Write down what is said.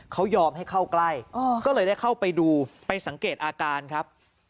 เขายอมให้เข้าใกล้ก็เลยได้เข้าไปดูไปสังเกตอาการครับ